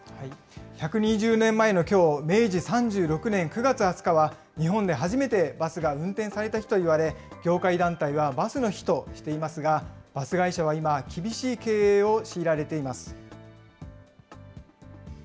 １２０年前のきょう、明治３６年９月２０日は、日本で初めてバスが運転された日といわれ、業界団体はバスの日としていますが、バス会社は今、厳しい経営を強いられています。